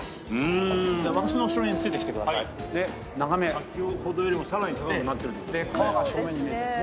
先ほどよりもさらに高くなってるってことですね。